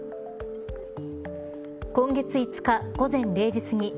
今月５日、午前０時すぎ